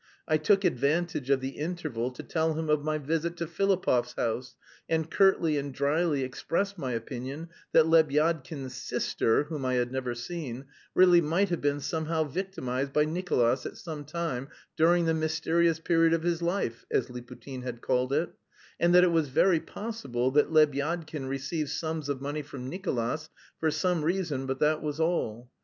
I took advantage of the interval to tell him of my visit to Filipov's house, and curtly and dryly expressed my opinion that Lebyadkin's sister (whom I had never seen) really might have been somehow victimised by Nicolas at some time during that mysterious period of his life, as Liputin had called it, and that it was very possible that Lebyadkin received sums of money from Nicolas for some reason, but that was all.